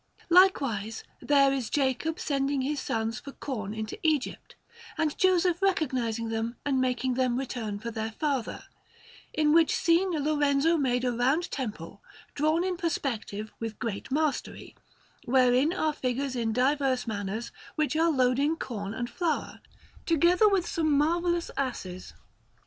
Likewise there is Jacob sending his sons for corn into Egypt, and Joseph recognizing them and making them return for their father; in which scene Lorenzo made a round temple, drawn in perspective with great mastery, wherein are figures in diverse manners which are loading corn and flour, together with some marvellous asses.